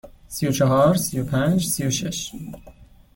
سی و چهار، سی و پنج، سی و شش.